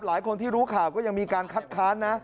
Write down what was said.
หลายคนที่รู้ข่าวก็ยังมีการคัดค้านนะ